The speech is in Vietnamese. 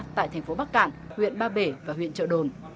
tại thành phố bắc cạn huyện ba bể và huyện trợ đồn